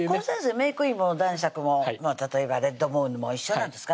メークインも男爵も例えばレッドムーンも一緒なんですか？